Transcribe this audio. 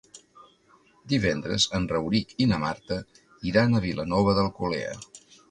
Divendres en Rauric i na Marta iran a Vilanova d'Alcolea.